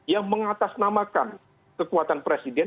yang mengatasnamakan kekuatan presiden